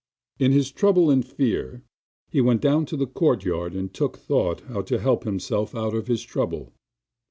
In his trouble and fear he went down into the courtyard and took thought how to help himself out of his trouble.